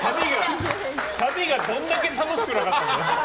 旅がどんだけ楽しくなかったんだ。